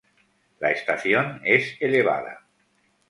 La estación es elevada.